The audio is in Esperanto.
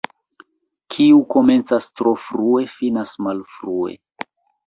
Kiu komencas tro frue, finas malfrue.